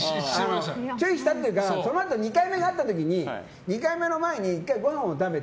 注意したというか２回目があった時に２回目の前１回、ごはんを食べて。